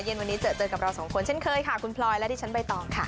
เย็นวันนี้เจอเจอกับเราสองคนเช่นเคยค่ะคุณพลอยและดิฉันใบตองค่ะ